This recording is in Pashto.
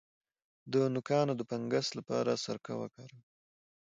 د نوکانو د فنګس لپاره سرکه وکاروئ